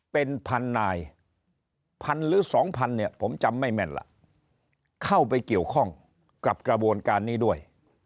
เป็นพันนายพันหรือสองพันเนี่ยผมจำไม่แม่นล่ะเข้าไปเกี่ยวข้องกับกระบวนการนี้ด้วย